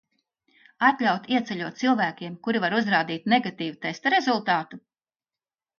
Atļaut ieceļot cilvēkiem, kuri var uzrādīt negatīvu testa rezultātu?